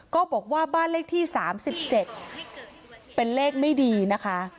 ก็บอกว่าบ้านเลขที่๓๗เป็นเลขไม่ดีนะคะ